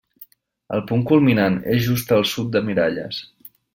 El punt culminant és just al sud de Miralles.